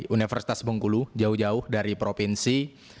universitas bengkulu jauh jauh dari provinsi